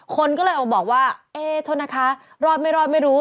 คนก็เลยบอกว่าเอ๊โทษนะคะรอดไม่รอดไม่รู้